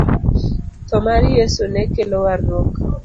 Tho mar Yeso no kelo warruok